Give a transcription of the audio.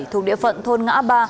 thuộc địa phận thôn ngã ba